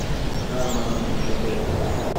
Leɛmeṛ nexdem akka weqbel.